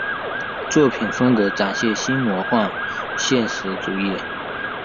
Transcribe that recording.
作品风格展现新魔幻现实主义。